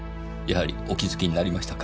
やはりお気づきになりましたか。